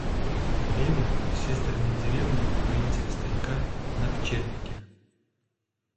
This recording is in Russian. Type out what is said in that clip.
Левин в сестриной деревне у приятеля-старика на пчельнике.